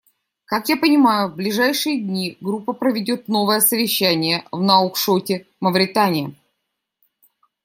Как я понимаю, в ближайшие дни Группа проведет новое совещание в Нуакшоте, Мавритания.